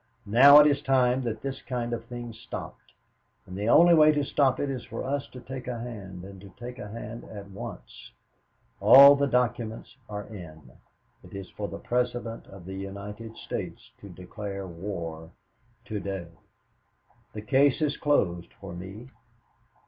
Now it is time that this kind of thing stopped, and the only way to stop it is for us to take a hand, and to take a hand at once. All the documents are in. It is for the President of the United States to declare war to day. "The case is closed for me.